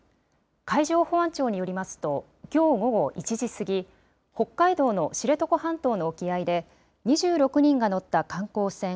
海上保安庁によりますと、きょう午後１時過ぎ、北海道の知床半島の沖合で、２６人が乗った観光船